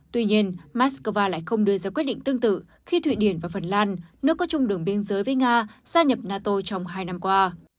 tuy nhiên moscow lại không đưa ra quyết định tương tự khi thụy điển và phần lan nước có chung đường biên giới với nga gia nhập nato trong hai năm qua